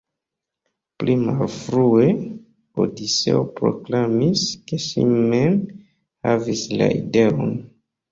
Pli malfrue, Odiseo proklamis, ke si mem havis la ideon.